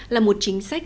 là một chính sách